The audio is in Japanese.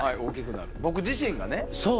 大きくなる僕自身がね。